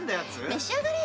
召し上がれ。